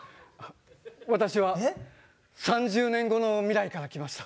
私は３０年後の未来から来ました。